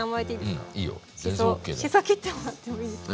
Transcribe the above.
しそ切ってもらってもいいですか？